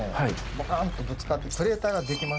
ボカーンとぶつかってクレーターができます。